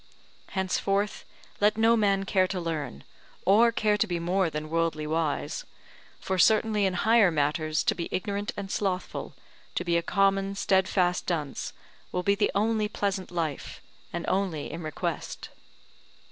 Henceforth let no man care to learn, or care to be more than worldly wise; for certainly in higher matters to be ignorant and slothful, to be a common steadfast dunce, will be the only pleasant life, and only in request.